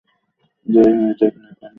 যাই হয়ে যাক না কেন, ফোকাস থেকো।